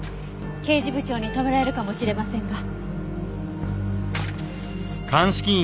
刑事部長に止められるかもしれませんが。